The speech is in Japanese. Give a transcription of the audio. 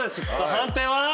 判定は？